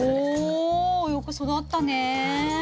およく育ったね。